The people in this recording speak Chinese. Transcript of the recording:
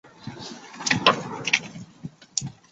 教育效益学的宗旨是研究教育的效益。